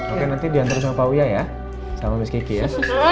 oke nanti diantar sama pak wia ya sama mas kiki ya